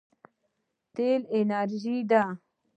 تېل انرژي ده.